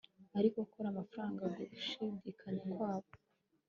Ariko kora amafaranga yo gushidikanya kwabo